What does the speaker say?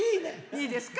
いいですか？